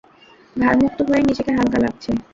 ভারমুক্ত হয়ে নিজেকে হালকা লাগছে।